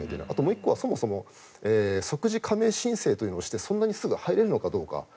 あともう１個はそもそも即時加盟申請というものをしてそんなにすぐ入れるのかどうか。